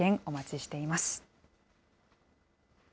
お待ちしています。